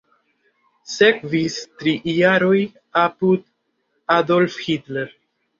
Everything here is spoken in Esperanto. Sekvis tri jaroj apud Adolf Hitler.